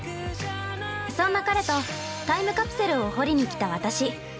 そんな彼とタイムカプセルを掘りにきた私。